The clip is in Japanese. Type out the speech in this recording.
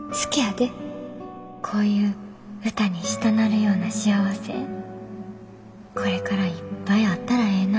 こういう歌にしたなるような幸せこれからいっぱいあったらええな。